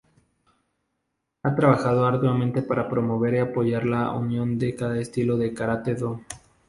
Ha trabajado arduamente para promover y apoyar la unión de cada estilo de Karate-Do.